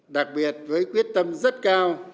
đặc biệt với quyết tâm rất cao